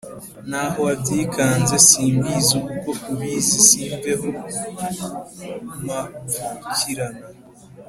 N’aho wabyikanze Si mbizi uko ubizi Simveho mpapfukirana,